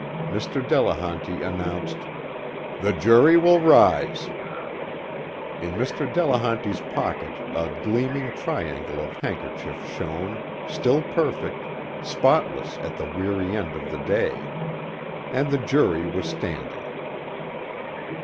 Mr. Delehanty announced: "The jury will rise." In Mr. Delehanty's pocket a gleaming triangle of handkerchief shone, still perfect, spotless at the weary end of the day. And the jury was standing.